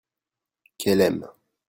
qu'elle aime.